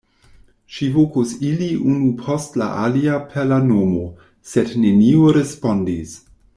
Ŝi vokis ilin unu post la alia per la nomo, sed neniu respondis.